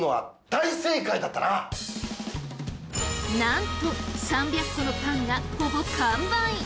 なんと３００個のパンがほぼ完売。